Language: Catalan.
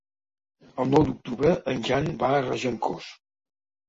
El nou d'octubre en Jan va a Regencós.